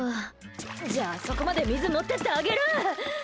じゃあ、そこまで水持っていってあげる！